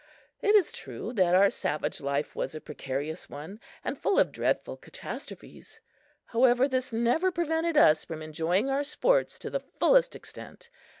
It is true that our savage life was a precarious one, and full of dreadful catastrophes; however, this never prevented us from enjoying our sports to the fullest extent.